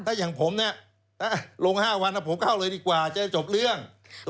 ถ้าอย่างผมเนี่ยลง๕วันผมเข้าเลยดีกว่าจะจบเรื่อง